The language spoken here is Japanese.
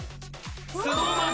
ＳｎｏｗＭａｎ